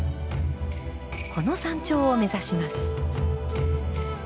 この山頂を目指します。